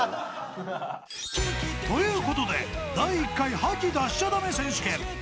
［ということで第１回覇気出しちゃダメ選手権！